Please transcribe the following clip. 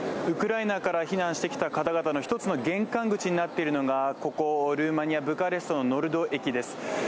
ウクライナから避難してきた方の一つの玄関口となっているのがここ、ルーマニア・ブカレストのノルド駅です。